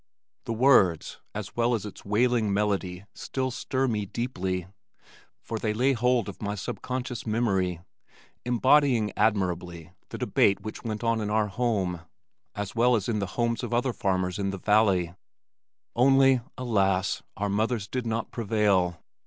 The words as well as its wailing melody still stir me deeply, for they lay hold of my sub conscious memory embodying admirably the debate which went on in our home as well as in the homes of other farmers in the valley, only, alas! our mothers did not prevail.